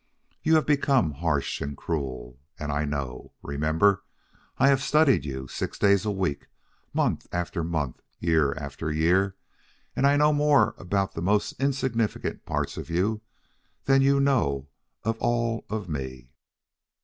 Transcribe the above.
You have become harsh and cruel. And I know. Remember, I have studied you six days a week, month after month, year after year; and I know more about the most insignificant parts of you than you know of all of me.